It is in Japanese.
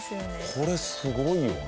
これすごいよな。